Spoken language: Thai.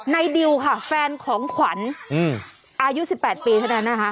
ดิวค่ะแฟนของขวัญอายุ๑๘ปีเท่านั้นนะคะ